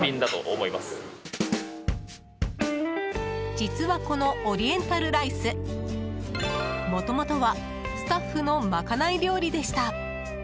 実は、このオリエンタルライスもともとはスタッフの賄い料理でした。